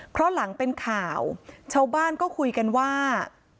เพราะหลังเป็นข่าวชาวบ้านก็คุยกันว่า